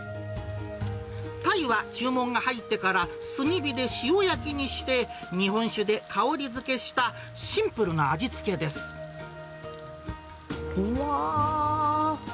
タイは注文が入ってから炭火で塩焼きにして、日本酒で香りづけしうわー。